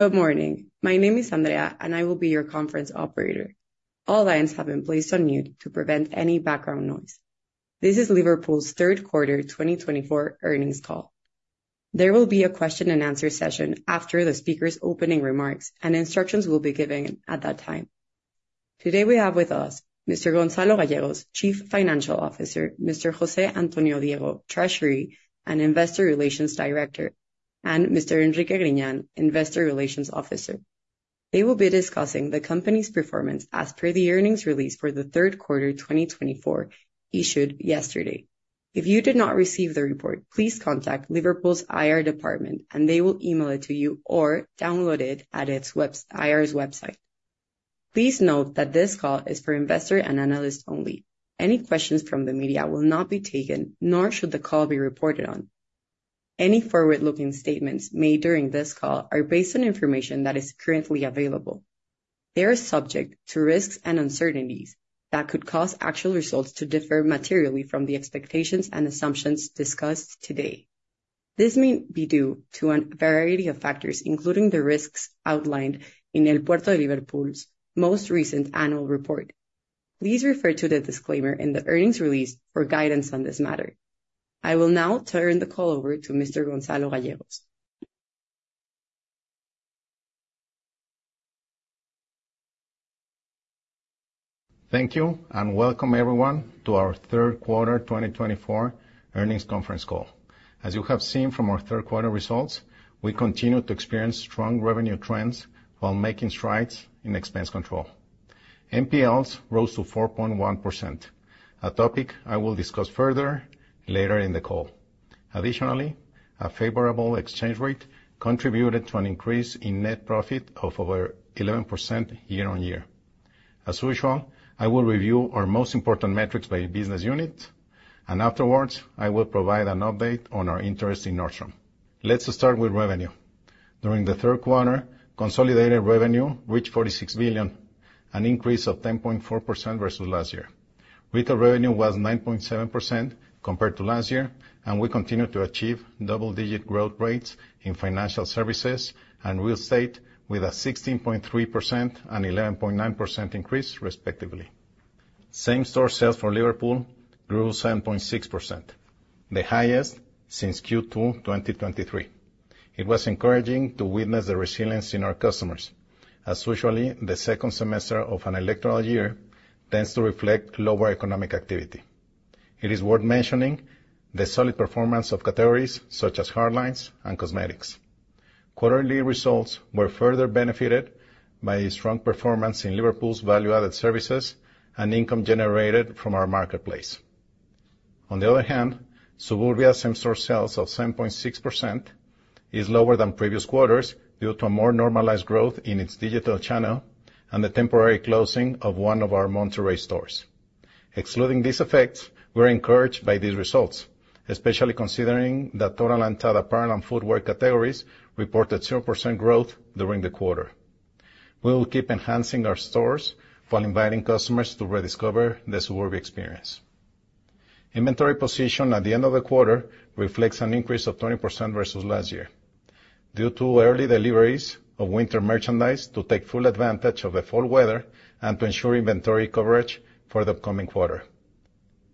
Good morning. My name is Andrea, and I will be your conference operator. All lines have been placed on mute to prevent any background noise. This is Liverpool's third quarter 2024 earnings call. There will be a question and answer session after the speaker's opening remarks, and instructions will be given at that time. Today, we have with us Mr. Gonzalo Gallegos, Chief Financial Officer, Mr. José Antonio Diego, Treasury and Investor Relations Director, and Mr. Enrique Griñán, Investor Relations Officer. They will be discussing the company's performance as per the earnings release for the third quarter 2024 issued yesterday. If you did not receive the report, please contact Liverpool's IR department and they will email it to you or download it at IR's website. Please note that this call is for investor and analyst only. Any questions from the media will not be taken, nor should the call be reported on. Any forward-looking statements made during this call are based on information that is currently available. They are subject to risks and uncertainties that could cause actual results to differ materially from the expectations and assumptions discussed today. This may be due to a variety of factors, including the risks outlined in El Puerto de Liverpool's most recent annual report. Please refer to the disclaimer in the earnings release for guidance on this matter. I will now turn the call over to Mr. Gonzalo Gallegos. Thank you, and welcome everyone to our third quarter 2024 earnings conference call. As you have seen from our third quarter results, we continue to experience strong revenue trends while making strides in expense control. NPLs rose to 4.1%, a topic I will discuss further later in the call. Additionally, a favorable exchange rate contributed to an increase in net profit of over 11% year on year. As usual, I will review our most important metrics by business unit, and afterwards, I will provide an update on our interest in Nordstrom. Let's start with revenue. During the third quarter, consolidated revenue reached 46 billion, an increase of 10.4% versus last year. Retail revenue was 9.7% compared to last year, and we continued to achieve double-digit growth rates in financial services and real estate, with a 16.3% and 11.9% increase, respectively. Same-store sales for Liverpool grew 7.6%, the highest since Q2 2023. It was encouraging to witness the resilience in our customers, as usually, the second semester of an electoral year tends to reflect lower economic activity. It is worth mentioning the solid performance of categories such as hard lines and cosmetics. Quarterly results were further benefited by a strong performance in Liverpool's value-added services and income generated from our marketplace. On the other hand, Suburbia same-store sales of 7.6% is lower than previous quarters due to a more normalized growth in its digital channel and the temporary closing of one of our Monterrey stores. Excluding these effects, we're encouraged by these results, especially considering that total apparel and footwear categories reported 0% growth during the quarter. We will keep enhancing our stores while inviting customers to rediscover the Suburbia experience. Inventory position at the end of the quarter reflects an increase of 20% versus last year due to early deliveries of winter merchandise to take full advantage of the fall weather and to ensure inventory coverage for the upcoming quarter.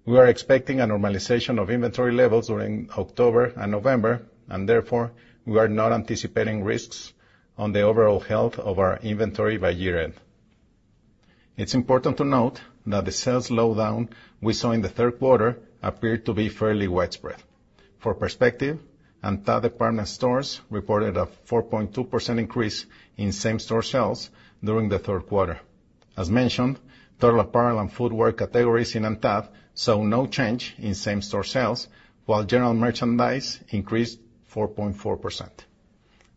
We are expecting a normalization of inventory levels during October and November, and therefore, we are not anticipating risks on the overall health of our inventory by year-end. It's important to note that the sales slowdown we saw in the third quarter appeared to be fairly widespread. For perspective, ANTAD department stores reported a 4.2% increase in same-store sales during the third quarter. As mentioned, total apparel and footwear categories in ANTAD saw no change in same-store sales, while general merchandise increased 4.4%.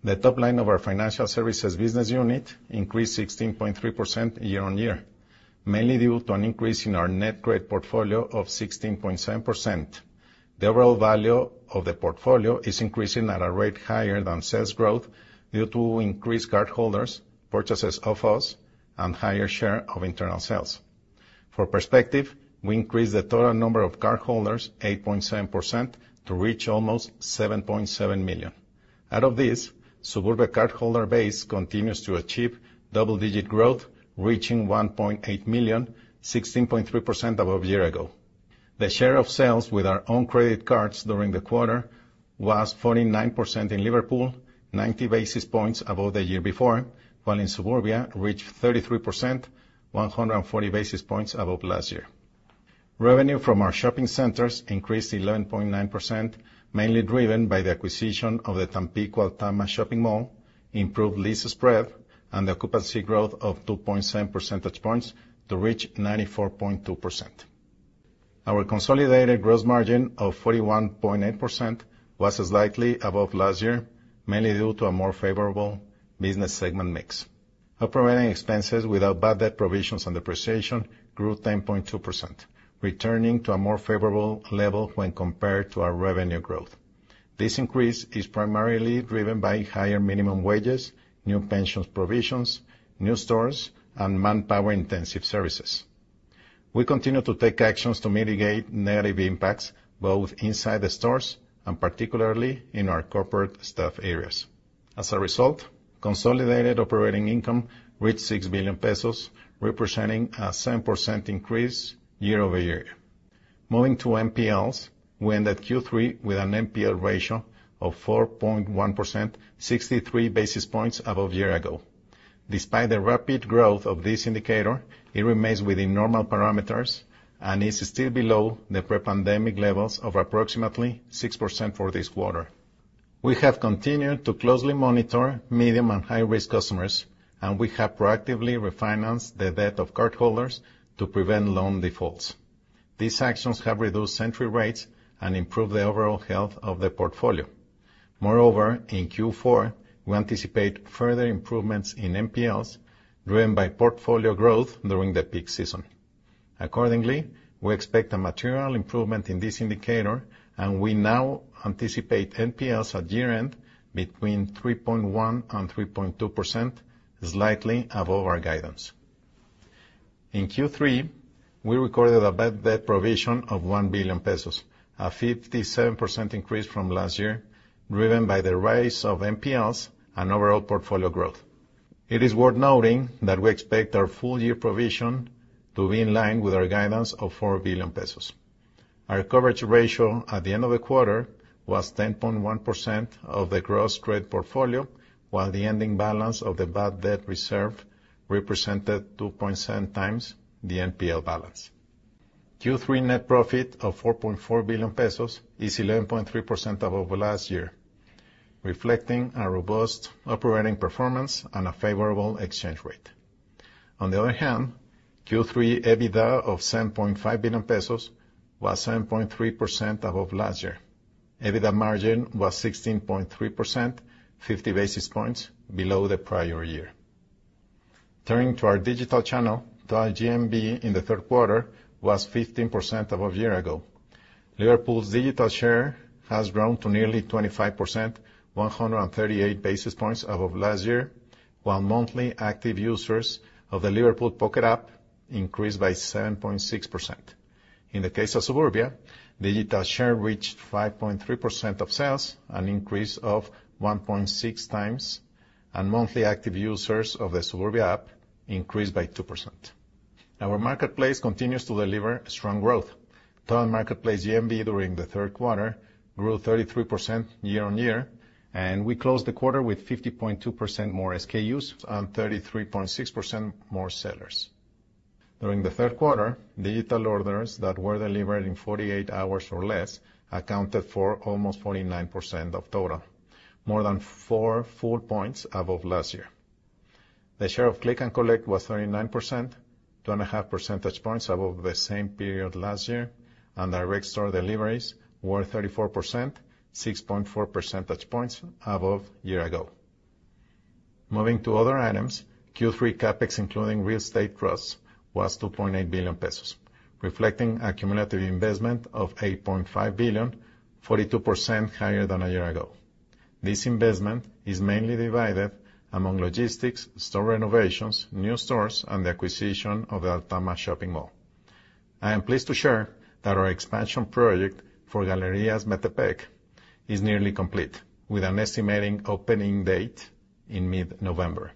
The top line of our financial services business unit increased 16.3% year on year, mainly due to an increase in our net credit portfolio of 16.7%. The overall value of the portfolio is increasing at a rate higher than sales growth due to increased cardholders, purchases from us, and higher share of internal sales. For perspective, we increased the total number of cardholders 8.7% to reach almost 7.7 million. Out of this, Suburbia cardholder base continues to achieve double-digit growth, reaching 1.8 million, 16.3% above a year ago. The share of sales with our own credit cards during the quarter was 49% in Liverpool, 90 basis points above the year before, while in Suburbia reached 33%, 140 basis points above last year. Revenue from our shopping centers increased 11.9%, mainly driven by the acquisition of the Tampico Altama shopping mall, improved lease spread, and the occupancy growth of 2.7 percentage points to reach 94.2%. Our consolidated gross margin of 41.8% was slightly above last year, mainly due to a more favorable business segment mix. Operating expenses without bad debt provisions and depreciation grew 10.2%, returning to a more favorable level when compared to our revenue growth. This increase is primarily driven by higher minimum wages, new pensions provisions, new stores, and manpower-intensive services. We continue to take actions to mitigate negative impacts, both inside the stores and particularly in our corporate staff areas. As a result, consolidated operating income reached 6 billion pesos, representing a 7% increase year-over-year. Moving to NPLs, we ended Q3 with an NPL ratio of 4.1%, 63 basis points above year ago. Despite the rapid growth of this indicator, it remains within normal parameters and is still below the pre-pandemic levels of approximately 6% for this quarter. We have continued to closely monitor medium and high-risk customers, and we have proactively refinanced the debt of cardholders to prevent loan defaults. These actions have reduced entry rates and improved the overall health of the portfolio. Moreover, in Q4, we anticipate further improvements in NPLs, driven by portfolio growth during the peak season. Accordingly, we expect a material improvement in this indicator, and we now anticipate NPLs at year-end between 3.1% and 3.2%, slightly above our guidance. In Q3, we recorded a bad debt provision of 1 billion pesos, a 57% increase from last year, driven by the rise of NPLs and overall portfolio growth. It is worth noting that we expect our full-year provision to be in line with our guidance of 4 billion pesos. Our coverage ratio at the end of the quarter was 10.1% of the gross trade portfolio, while the ending balance of the bad debt reserve represented 2.7x the NPL balance. Q3 net profit of 4.4 billion pesos is 11.3% above last year, reflecting a robust operating performance and a favorable exchange rate. On the other hand, Q3 EBITDA of 7.5 billion pesos was 7.3% above last year. EBITDA margin was 16.3%, 50 basis points below the prior year. Turning to our digital channel, total GMV in the third quarter was 15% above year ago. Liverpool's digital share has grown to nearly 25%, 138 basis points above last year, while monthly active users of the Liverpool Pocket app increased by 7.6%. In the case of Suburbia, digital share reached 5.3% of sales, an increase of 1.6x, and monthly active users of the Suburbia app increased by 2%. Our marketplace continues to deliver strong growth. Total marketplace GMV during the third quarter grew 33% year-on-year, and we closed the quarter with 50.2% more SKUs and 33.6% more sellers. During the third quarter, digital orders that were delivered in 48 hours or less accounted for almost 49% of total, more than four full points above last year. The share of click and collect was 39%, two and a half percentage points above the same period last year, and direct store deliveries were 34%, six point four percentage points above year ago. Moving to other items, Q3 CapEx, including real estate trusts, was 2.8 billion pesos, reflecting a cumulative investment of 8.5 billion, 42% higher than a year ago. This investment is mainly divided among logistics, store renovations, new stores, and the acquisition of the Altama shopping Mall. I am pleased to share that our expansion project for Galerías Metepec is nearly complete, with an estimated opening date in mid-November.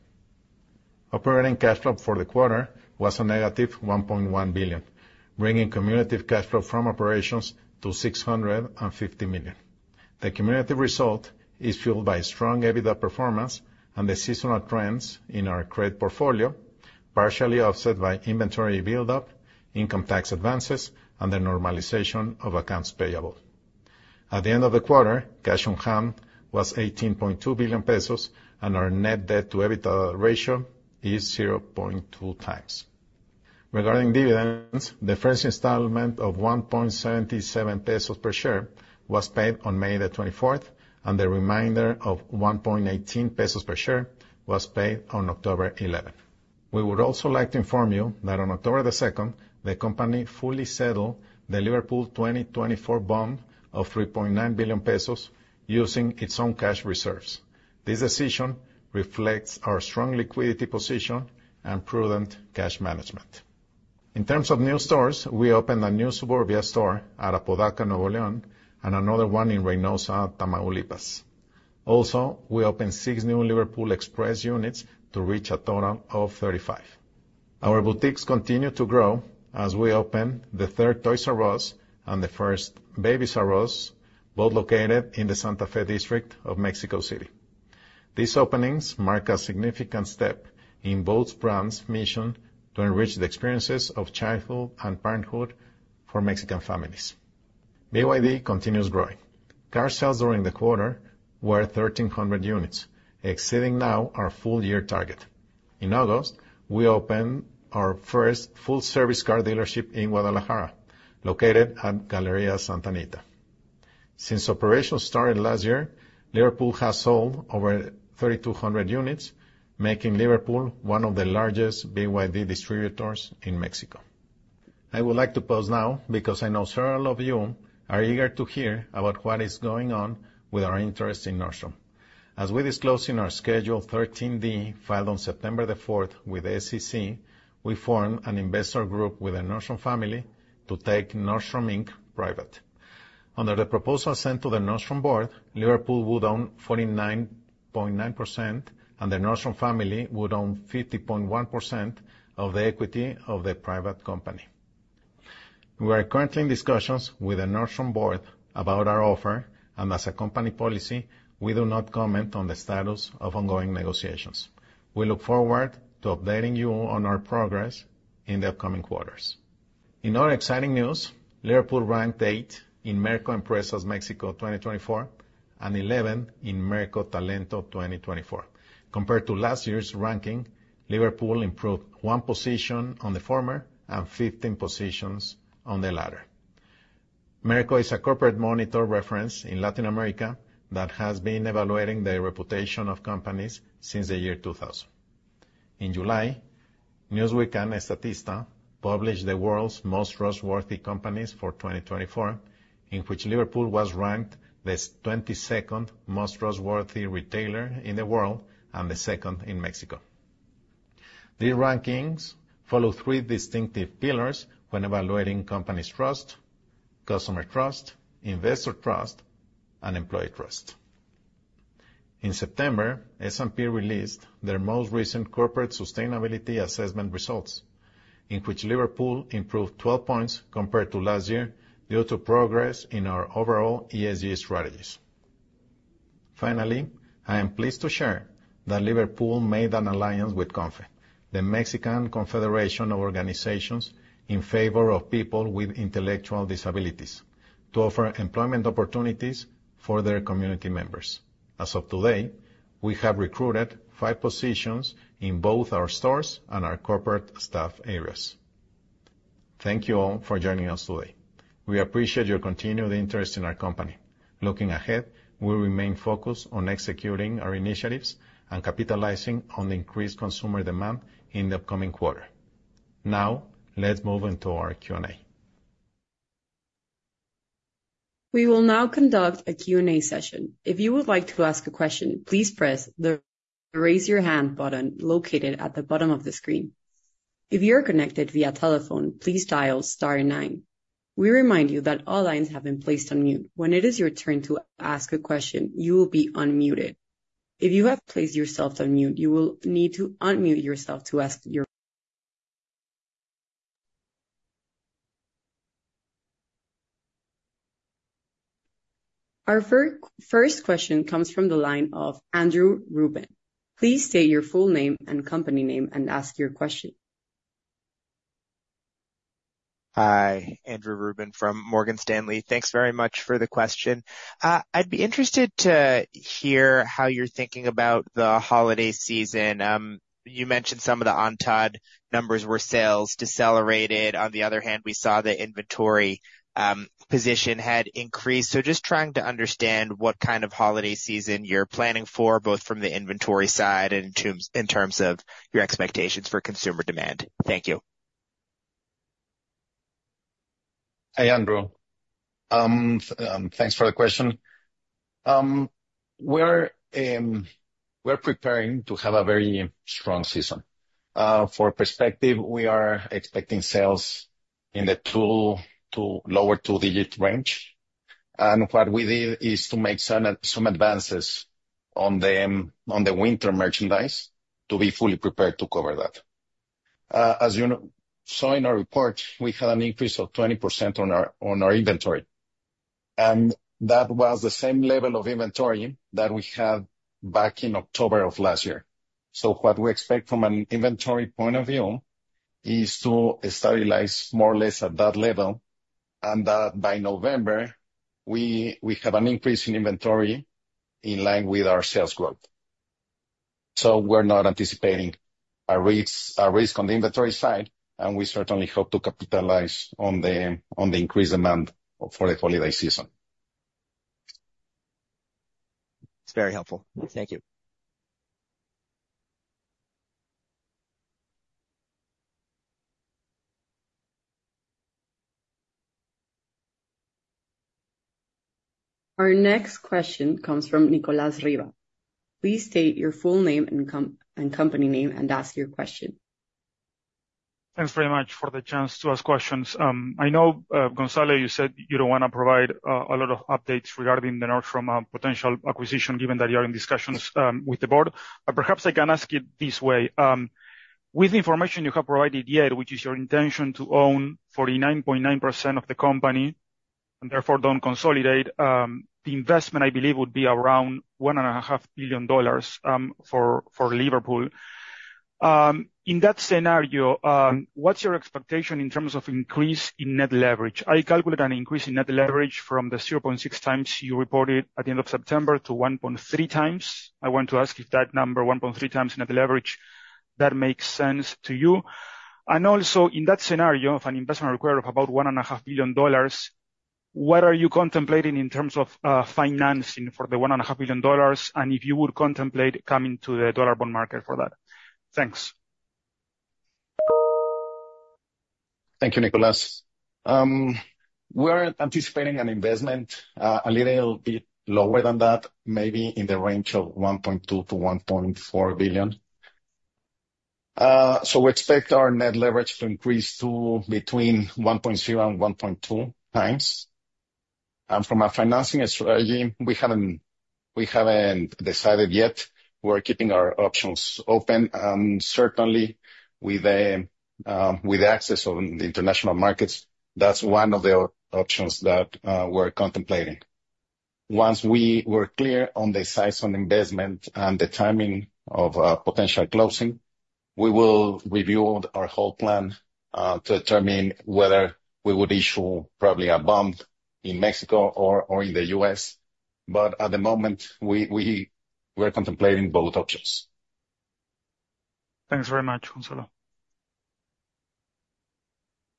Operating cash flow for the quarter was a negative 1.1 billion, bringing cumulative cash flow from operations to 650 million. The cumulative result is fueled by strong EBITDA performance and the seasonal trends in our credit portfolio, partially offset by inventory buildup, income tax advances, and the normalization of accounts payable. At the end of the quarter, cash on hand was 18.2 billion pesos, and our net debt to EBITDA ratio is 0.2x. Regarding dividends, the first installment of 1.77 pesos per share was paid on May the 24th, and the remainder of 1.18 pesos per share was paid on October eleventh. We would also like to inform you that on October the second, the company fully settled the Liverpool 2024 bond of 3.9 billion pesos using its own cash reserves. This decision reflects our strong liquidity position and prudent cash management. In terms of new stores, we opened a new Suburbia store at Apodaca, Nuevo León, and another one in Reynosa, Tamaulipas. Also, we opened 6 new Liverpool Express units to reach a total of 35. Our boutiques continue to grow as we open the third Toys "R" Us and the first Babies "R" Us, both located in the Santa Fe district of Mexico City. These openings mark a significant step in both brands' mission to enrich the experiences of childhood and parenthood for Mexican families. BYD continues growing. Car sales during the quarter were 1,300 units, exceeding now our full-year target. In August, we opened our first full-service car dealership in Guadalajara, located at Galerías Santa Anita. Since operations started last year, Liverpool has sold over 3,200 units, making Liverpool one of the largest BYD distributors in Mexico. I would like to pause now, because I know several of you are eager to hear about what is going on with our interest in Nordstrom. As we disclosed in our Schedule 13D, filed on September the 4th with the SEC, we formed an investor group with the Nordstrom family to take Nordstrom, Inc. private. Under the proposal sent to the Nordstrom board, Liverpool would own 49.9%, and the Nordstrom family would own 50.1% of the equity of the private company. We are currently in discussions with the Nordstrom board about our offer, and as a company policy, we do not comment on the status of ongoing negotiations. We look forward to updating you on our progress in the upcoming quarters. In other exciting news, Liverpool ranked eighth in Merco Empresas Mexico 2024 and eleventh in Merco Talento 2024. Compared to last year's ranking, Liverpool improved one position on the former and fifteen positions on the latter. Merco is a corporate monitor reference in Latin America that has been evaluating the reputation of companies since the year 2000. In July, Newsweek and Statista published the world's most trustworthy companies for 2024, in which Liverpool was ranked the 22nd most trustworthy retailer in the world and the second in Mexico. These rankings follow three distinctive pillars when evaluating companies' trust: customer trust, investor trust, and employee trust. In September, S&P released their most recent corporate sustainability assessment results, in which Liverpool improved twelve points compared to last year due to progress in our overall ESG strategies. Finally, I am pleased to share that Liverpool made an alliance with CONFE, the Mexican Confederation of Organizations in favor of people with intellectual disabilities, to offer employment opportunities for their community members. As of today, we have recruited five positions in both our stores and our corporate staff areas. Thank you all for joining us today. We appreciate your continued interest in our company. Looking ahead, we'll remain focused on executing our initiatives and capitalizing on the increased consumer demand in the upcoming quarter. Now, let's move into our Q&A. We will now conduct a Q&A session. If you would like to ask a question, please press the Raise Your Hand button located at the bottom of the screen. If you are connected via telephone, please dial star nine. We remind you that all lines have been placed on mute. When it is your turn to ask a question, you will be unmuted. If you have placed yourself on mute, you will need to unmute yourself to ask your question. Our first question comes from the line of Andrew Ruben. Please state your full name and company name and ask your question. Hi, Andrew Ruben from Morgan Stanley. Thanks very much for the question. I'd be interested to hear how you're thinking about the holiday season. You mentioned some of the ANTAD numbers were sales decelerated. On the other hand, we saw the inventory position had increased. So just trying to understand what kind of holiday season you're planning for, both from the inventory side and in terms of your expectations for consumer demand. Thank you. Hi, Andrew. Thanks for the question. We're preparing to have a very strong season. For perspective, we are expecting sales in the low- to lower two-digit range, and what we did is to make some advances on the winter merchandise to be fully prepared to cover that. As you saw in our report, we had an increase of 20% on our inventory, and that was the same level of inventory that we had back in October of last year. So what we expect from an inventory point of view is to stabilize more or less at that level, and that by November, we have an increase in inventory in line with our sales growth. So we're not anticipating a risk on the inventory side, and we certainly hope to capitalize on the increased demand for the holiday season. It's very helpful. Thank you. Our next question comes from Nicolas Riva. Please state your full name and company name, and ask your question. Thanks very much for the chance to ask questions. I know, Gonzalo, you said you don't wanna provide a lot of updates regarding the Nordstrom potential acquisition, given that you are in discussions with the board. But perhaps I can ask it this way: with the information you have provided here, which is your intention to own 49.9% of the company and therefore don't consolidate the investment, I believe, would be around $1.5 billion for Liverpool. In that scenario, what's your expectation in terms of increase in net leverage? I calculate an increase in net leverage from the 0.6x you reported at the end of September to 1.3x. I want to ask if that number, 1.3x net leverage, that makes sense to you. Also, in that scenario of an investment required of about $1.5 billion, what are you contemplating in terms of financing for the $1.5 billion, and if you would contemplate coming to the dollar bond market for that? Thanks. Thank you, Nicolas. We're anticipating an investment, a little bit lower than that, maybe in the range of 1.2-1.4 billion. So we expect our net leverage to increase to between 1.0 and 1.2x. And from a financing strategy, we haven't decided yet. We're keeping our options open, and certainly with access on the international markets, that's one of the options that we're contemplating. Once we were clear on the size of investment and the timing of a potential closing, we will review our whole plan to determine whether we would issue probably a bond in Mexico or in the U.S., but at the moment, we're contemplating both options. Thanks very much, Gonzalo.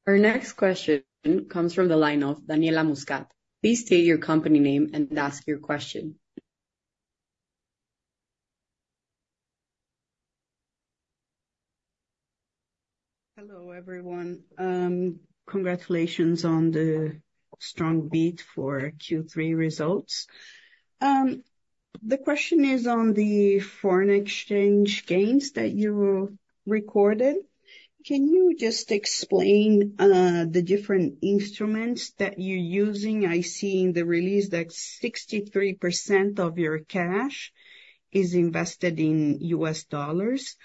Our next question comes from the line of Daniela Muscat. Please state your company name and ask your question. Hello, everyone. Congratulations on the strong beat for Q3 results. The question is on the foreign exchange gains that you recorded. Can you just explain the different instruments that you're using? I see in the release that 63% of your cash is invested in U.S. dollars.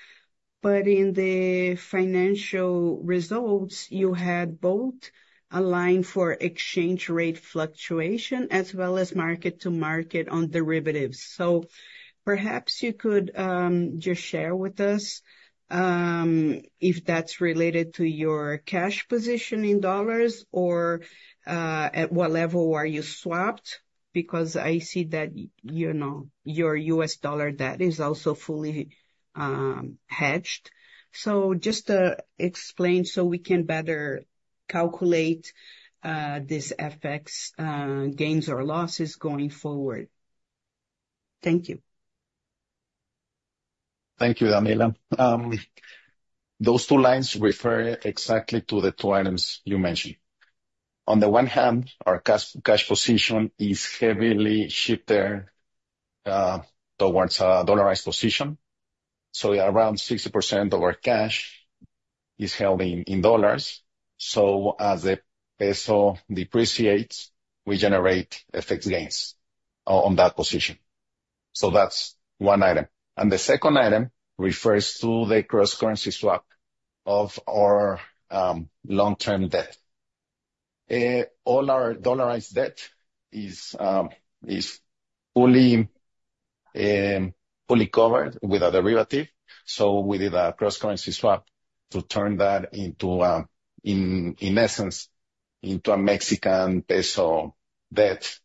But in the financial results, you had both a line for exchange rate fluctuation as well as mark to market on derivatives. So perhaps you could just share with us if that's related to your cash position in dollars, or at what level are you swapped? Because I see that, you know, your U.S. dollar debt is also fully hedged. So just explain so we can better calculate this FX gains or losses going forward. Thank you. Thank you, Daniela. Those two lines refer exactly to the two items you mentioned. On the one hand, our cash position is heavily shifted towards a dollarized position, so around 60% of our cash is held in dollars. So as the peso depreciates, we generate FX gains on that position. So that's one item, and the second item refers to the cross-currency swap of our long-term debt. All our dollarized debt is fully covered with a derivative, so we did a cross-currency swap to turn that into, in essence, a Mexican peso debt,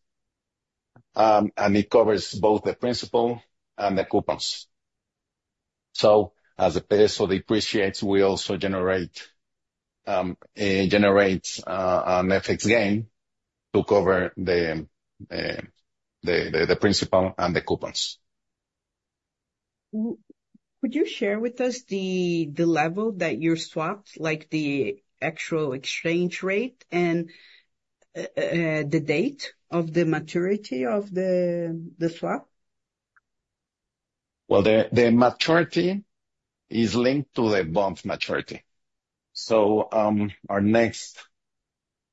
and it covers both the principal and the coupons. So as the peso depreciates, we also generate an FX gain to cover the principal and the coupons. Would you share with us the level that you swapped, like the actual exchange rate and the date of the maturity of the swap? The maturity is linked to the bond's maturity. So, our next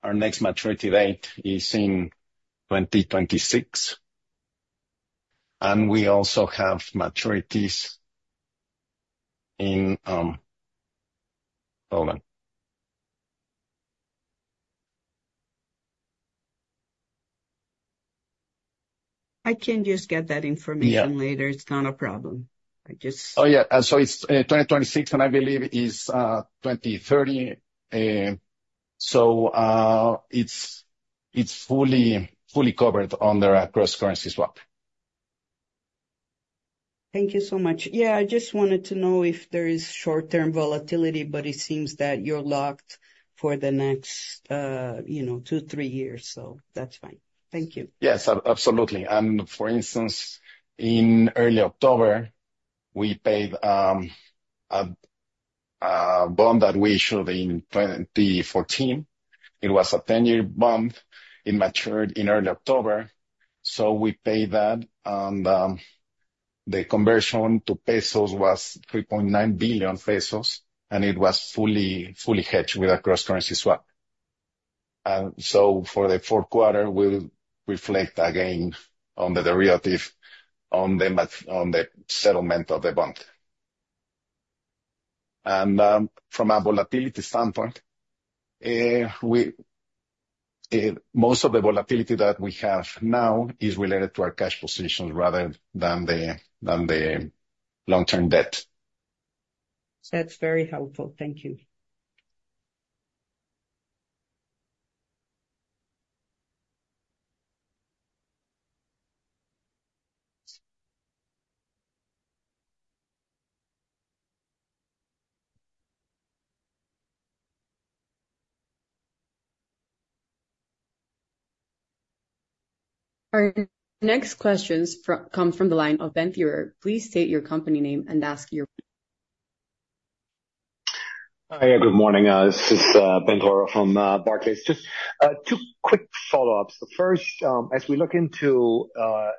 maturity date is in 2026, and we also have maturities in... Hold on. I can just get that information- Yeah. Later. It's not a problem. I just- Oh, yeah. So it's 2026, and I believe it's 2030. So it's fully covered under a cross-currency swap. Thank you so much. Yeah, I just wanted to know if there is short-term volatility, but it seems that you're locked for the next, you know, two, three years, so that's fine. Thank you. Yes, absolutely. For instance, in early October, we paid a bond that we issued in 2014. It was a 10-year bond. It matured in early October, so we paid that, and the conversion to pesos was 3.9 billion pesos, and it was fully hedged with a cross-currency swap. So for the fourth quarter, we'll reflect again on the derivative, on the settlement of the bond. And from a volatility standpoint, we most of the volatility that we have now is related to our cash position rather than the long-term debt. That's very helpful. Thank you. ... Our next questions come from the line of Ben Theurer. Please state your company name and ask your- Hi, good morning. This is Ben Theurer from Barclays. Just two quick follow-ups. First, as we look into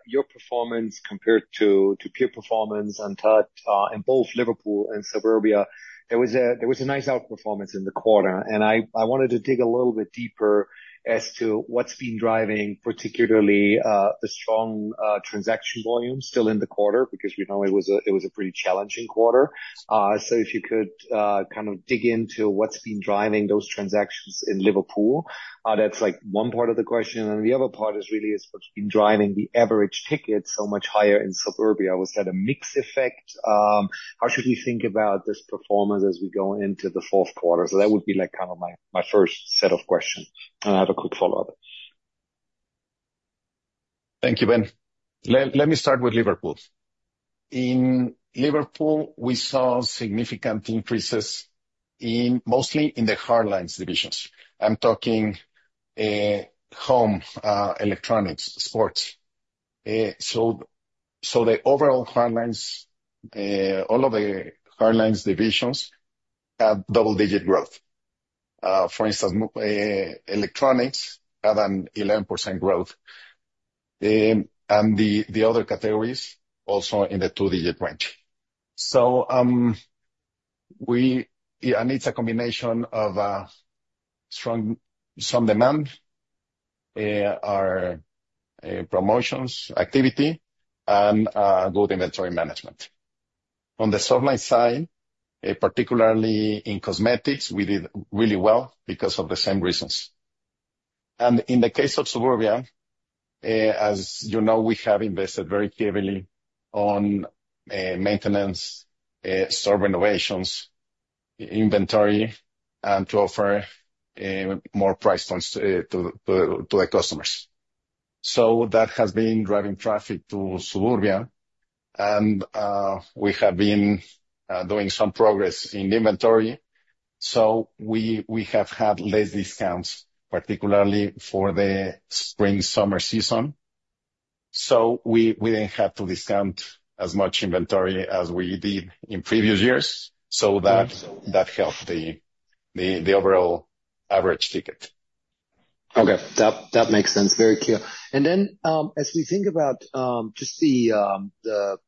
your performance compared to peer performance and such in both Liverpool and Suburbia, there was a nice outperformance in the quarter, and I wanted to dig a little bit deeper as to what's been driving, particularly, the strong transaction volume still in the quarter, because we know it was a pretty challenging quarter, so if you could kind of dig into what's been driving those transactions in Liverpool. That's like one part of the question, and the other part is really what's been driving the average ticket so much higher in Suburbia. Was that a mix effect? How should we think about this performance as we go into the fourth quarter? So that would be, like, kind of my first set of questions. I have a quick follow-up. Thank you, Ben. Let me start with Liverpool. In Liverpool, we saw significant increases mostly in the hard lines divisions. I'm talking home, electronics, sports. So the overall hard lines, all of the hard lines divisions have double-digit growth. For instance, more electronics have an 11% growth, and the other categories also in the two-digit range. So, and it's a combination of strong demand, our promotions activity, and good inventory management. On the soft lines side, particularly in cosmetics, we did really well because of the same reasons. In the case of Suburbia, as you know, we have invested very heavily on maintenance, store renovations, inventory, and to offer more price points to the customers. So that has been driving traffic to Suburbia, and we have been doing some progress in the inventory, so we have had less discounts, particularly for the spring/summer season. So we didn't have to discount as much inventory as we did in previous years, so that helped the overall average ticket. Okay, that, that makes sense. Very clear. And then, as we think about, just the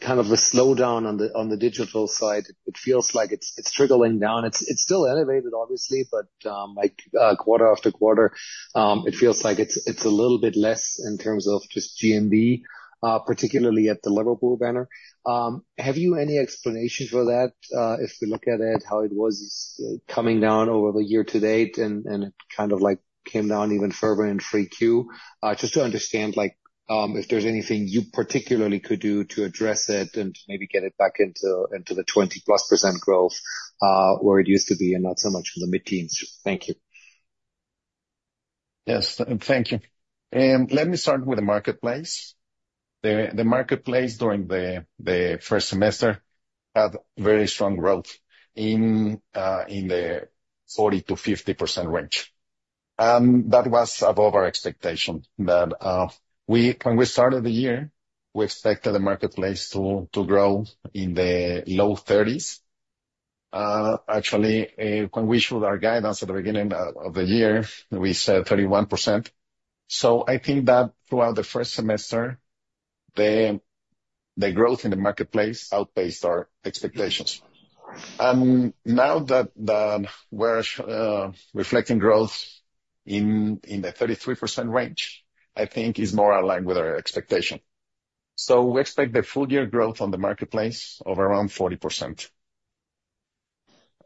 kind of a slowdown on the digital side, it feels like it's trickling down. It's still elevated, obviously, but, like, quarter after quarter, it feels like it's a little bit less in terms of just GMV, particularly at the Liverpool banner. Have you any explanation for that? If we look at it, how it was coming down over the year to date, and it kind of, like, came down even further in 3Q. Just to understand, like, if there's anything you particularly could do to address it and maybe get it back into the 20-plus% growth, where it used to be and not so much in the mid-teens%. Thank you. Yes. Thank you. Let me start with the marketplace. The marketplace, during the first semester, had very strong growth in the 40%-50% range. And that was above our expectation that we-- When we started the year, we expected the marketplace to grow in the low thirties. Actually, when we showed our guidance at the beginning of the year, we said 31%. So I think that throughout the first semester, the growth in the marketplace outpaced our expectations. Now that we're reflecting growth in the 33% range, I think is more aligned with our expectation. So we expect the full year growth on the marketplace of around 40%.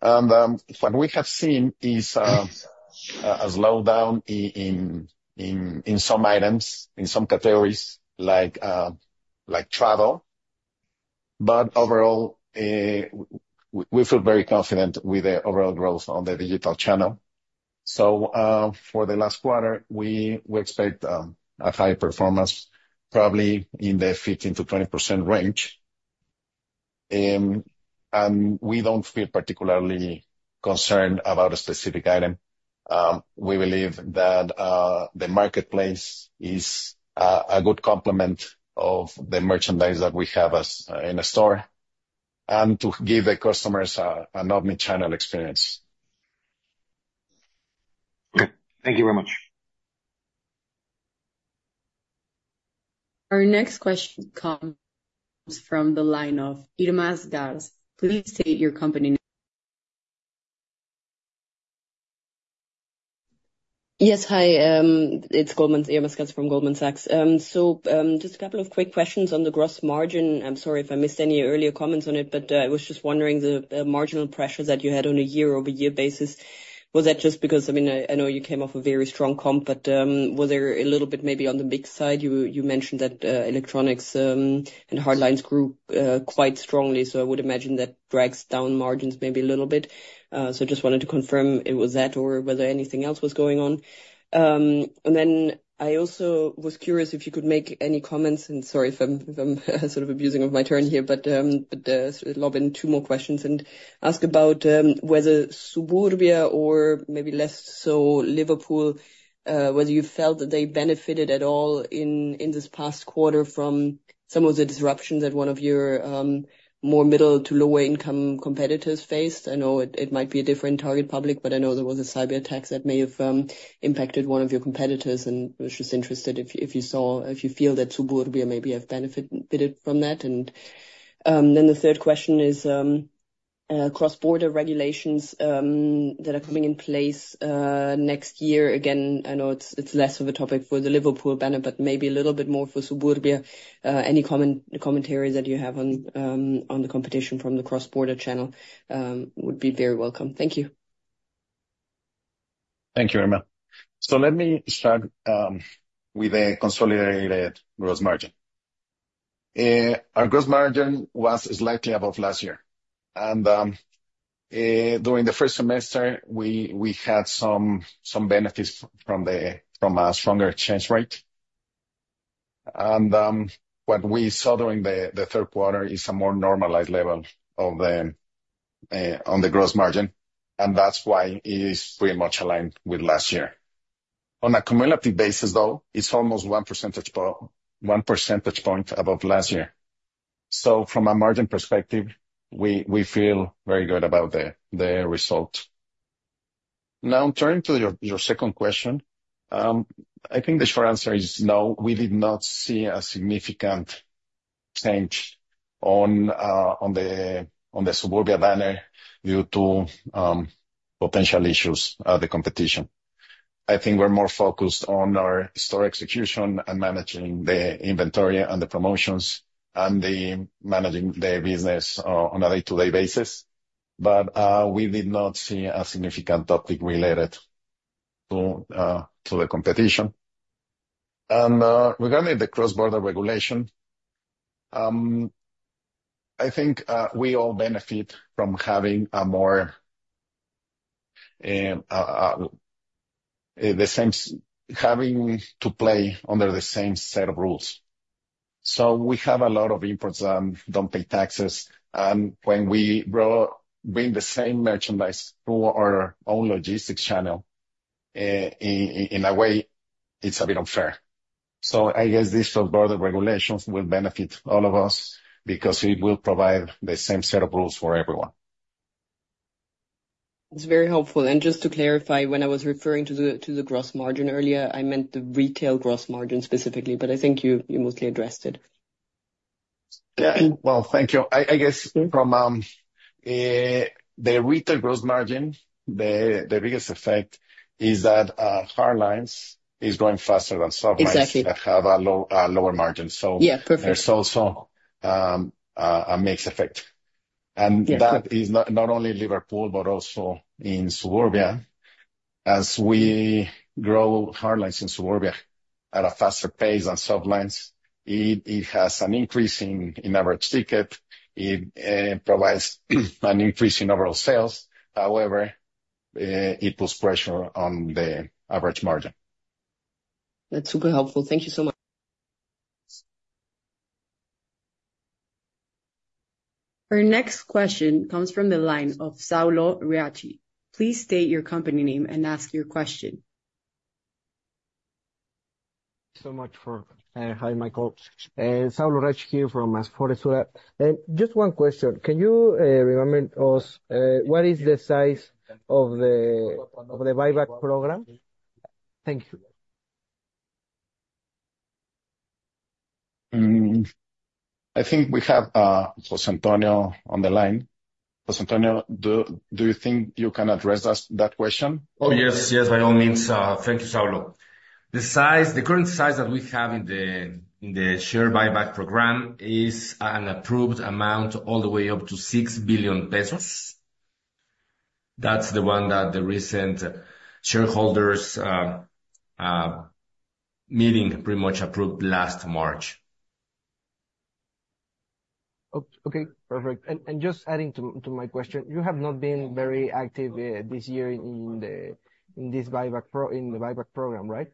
What we have seen is a slowdown in some items in some categories like travel, but overall, we feel very confident with the overall growth on the digital channel. For the last quarter, we expect a high performance, probably in the 15%-20% range. We don't feel particularly concerned about a specific item. We believe that the marketplace is a good complement of the merchandise that we have in the store and to give the customers an omni-channel experience. Okay. Thank you very much. Our next question comes from the line of Irma Sgarz. Please state your company name. Yes, hi, it's Goldman's Irma Sgarz from Goldman Sachs. So, just a couple of quick questions on the gross margin. I'm sorry if I missed any earlier comments on it, but I was just wondering the margin pressures that you had on a year-over-year basis. Was that just because... I mean, I know you came off a very strong comp, but was there a little bit maybe on the big side? You mentioned that electronics and hard lines grew quite strongly, so I would imagine that drags down margins maybe a little bit. So just wanted to confirm it was that or whether anything else was going on. And then I also was curious if you could make any comments, and sorry if I'm sort of abusing of my turn here, but lob in two more questions and ask about whether Suburbia or maybe less so Liverpool whether you felt that they benefited at all in this past quarter from some of the disruptions that one of your more middle to lower-income competitors faced. I know it might be a different target public, but I know there was a cyberattack that may have impacted one of your competitors, and I was just interested if you feel that Suburbia maybe have benefited from that. And then the third question is cross-border regulations that are coming in place next year? Again, I know it's less of a topic for the Liverpool banner, but maybe a little bit more for Suburbia. Any comment, commentary that you have on the competition from the cross-border channel would be very welcome. Thank you. Thank you, Irma. So let me start with a consolidated gross margin. Our gross margin was slightly above last year, and during the first semester, we had some benefits from a stronger exchange rate. And what we saw during the third quarter is a more normalized level of the gross margin, and that's why it is pretty much aligned with last year. On a cumulative basis, though, it's almost one percentage point above last year. So from a margin perspective, we feel very good about the result. Now, turning to your second question, I think the short answer is no, we did not see a significant change on the Suburbia banner due to potential issues, the competition. I think we're more focused on our store execution and managing the inventory and the promotions and the managing the business on a day-to-day basis. But we did not see a significant topic related to the competition. And regarding the cross-border regulation, I think we all benefit from having a more the same, having to play under the same set of rules. So we have a lot of imports that don't pay taxes, and when we bring the same merchandise through our own logistics channel, in a way, it's a bit unfair. So I guess these cross-border regulations will benefit all of us because it will provide the same set of rules for everyone. It's very helpful. And just to clarify, when I was referring to the gross margin earlier, I meant the retail gross margin specifically, but I think you mostly addressed it. Yeah. Well, thank you. I guess from the retail gross margin, the biggest effect is that hard lines is growing faster than soft lines. Exactly. that have a low, lower margin. So Yeah, perfect. There's also a mixed effect. Yeah. That is not only Liverpool, but also in Suburbia. As we grow hard lines in Suburbia at a faster pace than soft lines, it has an increase in average ticket. It provides an increase in overall sales. However, it puts pressure on the average margin. That's super helpful. Thank you so much. Our next question comes from the line of Saulo Riachi. Please state your company name and ask your question. So much for, hi, Michael. Saulo Riachi here from Afore Sura. Just one question. Can you remind us, what is the size of the buyback program? Thank you. I think we have José Antonio on the line. José Antonio, do you think you can address us that question? Oh, yes, yes, by all means. Thank you, Saulo. The size, the current size that we have in the share buyback program is an approved amount all the way up to 6 billion pesos. That's the one that the recent shareholders meeting pretty much approved last March. Okay, perfect. And just adding to my question, you have not been very active this year in the buyback program, right?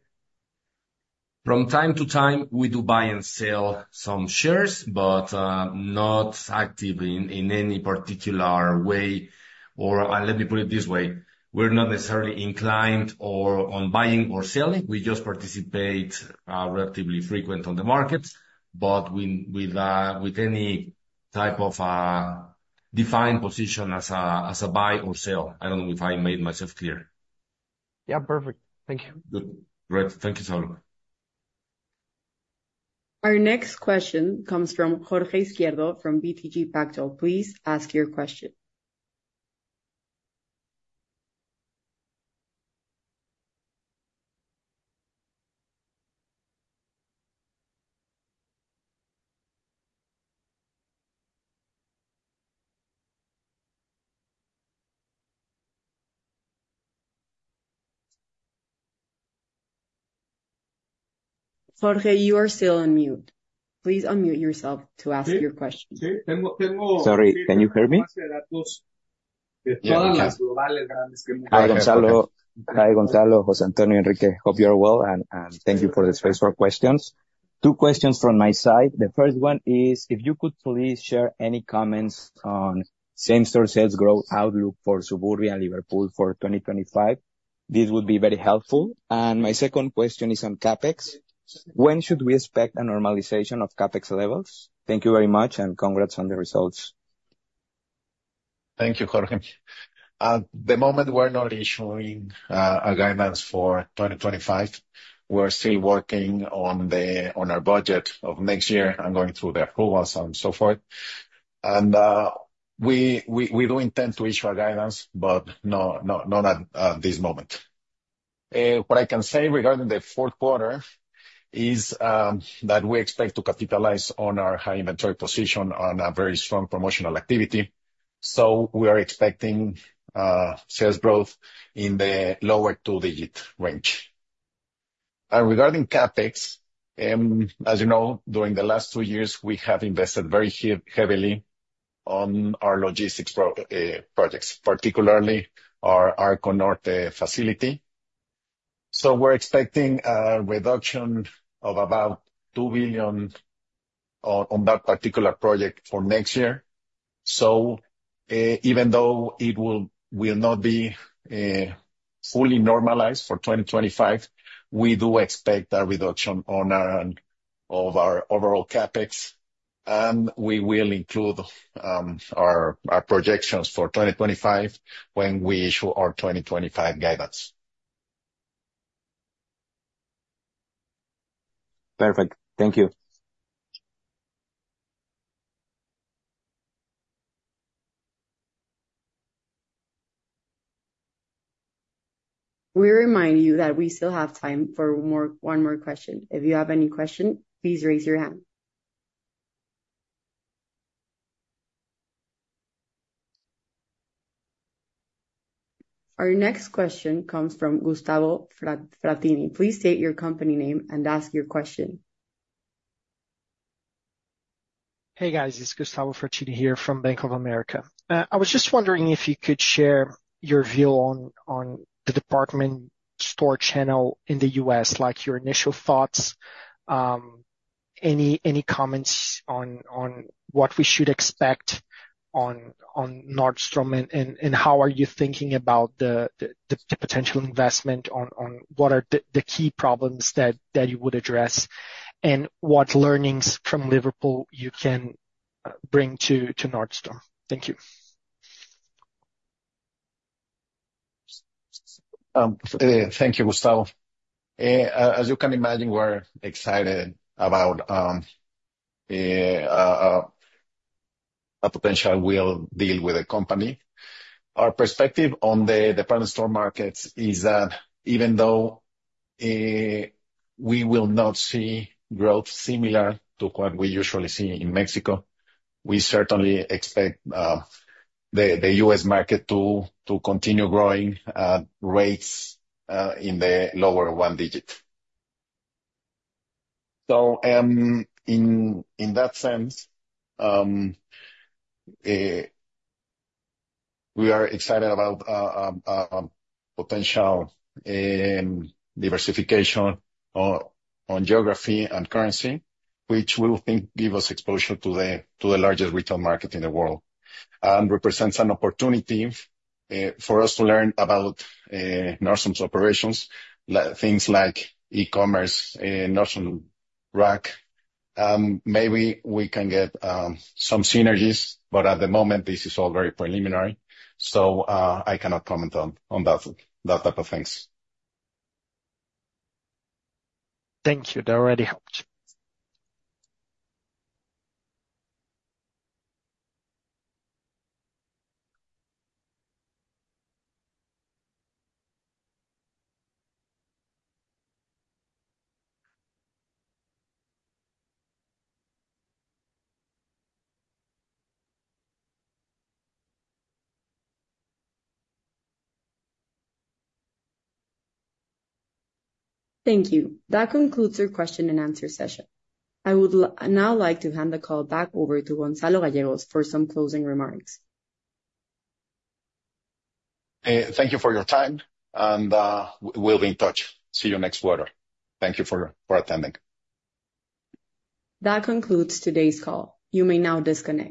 From time to time, we do buy and sell some shares, but not active in any particular way. Or let me put it this way: we're not necessarily inclined or on buying or selling. We just participate relatively frequent on the markets, but with any type of defined position as a buy or sell. I don't know if I made myself clear. Yeah, perfect. Thank you. Good. Great. Thank you, Saulo. Our next question comes from Jorge Izquierdo, from BTG Pactual. Please ask your question. Jorge, you are still on mute. Please unmute yourself to ask your question. Sorry, can you hear me? Yeah, we can. Hi, Gonzalo. Hi, Gonzalo, José Antonio, Enrique, hope you are well, and thank you for the space for questions. Two questions from my side. The first one is, if you could please share any comments on same-store sales growth outlook for Suburbia and Liverpool for 2025, this would be very helpful. My second question is on CapEx. When should we expect a normalization of CapEx levels? Thank you very much, and congrats on the results. Thank you, Jorge. At the moment, we're not issuing a guidance for 2025. We're still working on our budget for next year and going through the approvals and so forth. We do intend to issue our guidance, but no, not at this moment. What I can say regarding the fourth quarter is that we expect to capitalize on our high inventory position on a very strong promotional activity, so we are expecting sales growth in the lower two-digit range. Regarding CapEx, as you know, during the last two years, we have invested very heavily on our logistics projects, particularly our Arco Norte facility, so we're expecting a reduction of about 2 billion on that particular project for next year. Even though it will not be fully normalized for 2025, we do expect a reduction on our end of our overall CapEx, and we will include our projections for 2025 when we issue our 2025 guidance. Perfect. Thank you. We remind you that we still have time for more, one more question. If you have any question, please raise your hand. Our next question comes from Gustavo Frattini. Please state your company name and ask your question. Hey, guys, it's Gustavo Frattini here from Bank of America. I was just wondering if you could share your view on the department store channel in the US, like, your initial thoughts, any comments on what we should expect on Nordstrom? And how are you thinking about the potential investment on what are the key problems that you would address? And what learnings from Liverpool you can bring to Nordstrom? Thank you. Thank you, Gustavo. As you can imagine, we're excited about a potential deal with the company. Our perspective on the department store markets is that even though we will not see growth similar to what we usually see in Mexico, we certainly expect the U.S. market to continue growing rates in the low single-digit. So, in that sense, we are excited about potential diversification on geography and currency, which will, I think, give us exposure to the largest retail market in the world, and represents an opportunity for us to learn about Nordstrom's operations, like, things like e-commerce, Nordstrom Rack. Maybe we can get some synergies, but at the moment, this is all very preliminary, so I cannot comment on that type of things. Thank you. That already helped. Thank you. That concludes our question and answer session. I would now like to hand the call back over to Gonzalo Gallegos for some closing remarks. Thank you for your time, and we'll be in touch. See you next quarter. Thank you for attending. That concludes today's call. You may now disconnect.